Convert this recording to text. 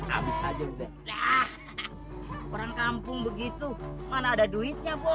jadi langsung kedatangan yang sini mau apa